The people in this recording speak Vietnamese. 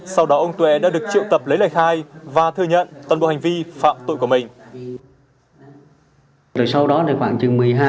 sau đó ông tuê đã được triệu tập lấy lời khai và thừa nhận toàn bộ hành vi phạm tội của mình